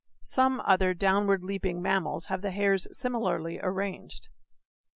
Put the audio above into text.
Some other downward leaping mammals have the hairs similarly arranged.